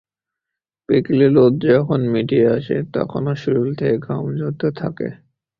বিকেলে রোদ যখন মিইয়ে আসে, তখনো শরীর থেকে ঘাম ঝরতে থাকে।